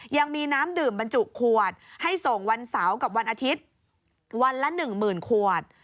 ยังมีน้ำดื่มบรรจุขวดให้ส่งวันเสาร์กับวันอาทิตย์วันละ๑๐๐๐ขวด